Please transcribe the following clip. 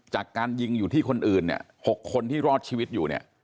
จากการยิงอยู่ที่คนอื่นเนี่ย๖คนที่รอดชีวิตอยู่เนี่ย